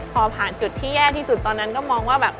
พอผ่านจุดที่แย่ที่สุดตอนนั้นก็มองว่าแบบ